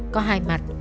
có hai mặt